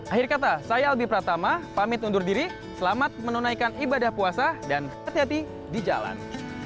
akhir kata saya albi pratama pamit undur diri selamat menunaikan ibadah puasa dan hati hati di jalan